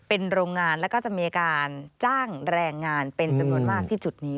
เป็นโรงงานแล้วก็จะมีการจ้างแรงงานเป็นจำนวนมากที่จุดนี้